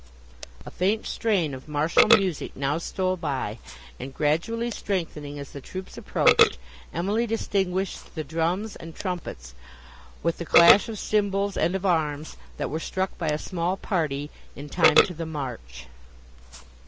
A faint strain of martial music now stole by, and, gradually strengthening as the troops approached, Emily distinguished the drums and trumpets, with the clash of cymbals and of arms, that were struck by a small party, in time to the march.